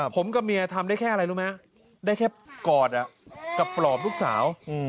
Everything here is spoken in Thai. ผมกับเมียทำได้แค่อะไรรู้ไหมได้แค่กอดกับปลอบลูกสาว